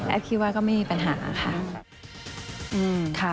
คิดว่าก็ไม่มีปัญหาค่ะ